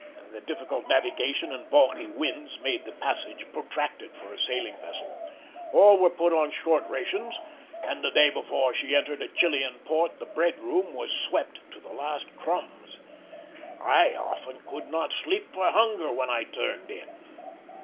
The difficult navigation and balky winds made the passage protracted for a sailing vessel; all were put on short rations, and the day before she entered a Chilian port the bread room was swept to the last crumbs. "I often could not sleep for hunger when I turned in."